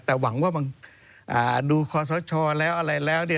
แต่หวังว่าดูขอสาวชอบแล้วอะไรแล้ว